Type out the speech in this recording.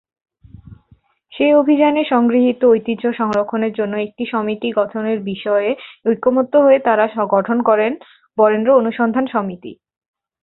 সেই অভিযানে সংগৃহীত ঐতিহ্য সংরক্ষণের জন্য একটি সমিতি গঠনের বিষয়ে ঐকমত্য হয়ে তারা গঠন করেন 'বরেন্দ্র অনুসন্ধান সমিতি'।